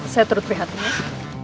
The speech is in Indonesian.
saya terutri hati mas